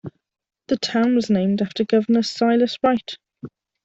The town was named after governor Silas Wright.